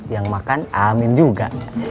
yang makan amin juga